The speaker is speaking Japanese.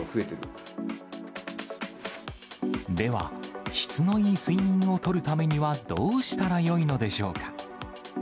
では、質のいい睡眠をとるためにはどうしたらよいのでしょうか。